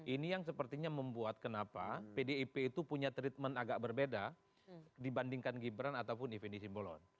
ini yang sepertinya membuat kenapa pdip itu punya treatment agak berbeda dibandingkan gibran ataupun ife nisimbolon